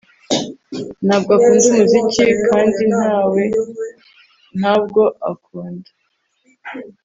Ntabwo akunda umuziki Kandi na we ntabwo ankunda